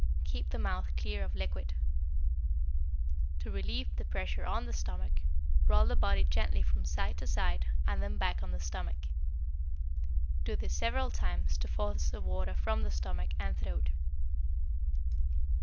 Keep the mouth clear of liquid. To relieve the pressure on the stomach, roll the body gently from side to side and then back on the stomach. Do this several times to force the water from the stomach and throat.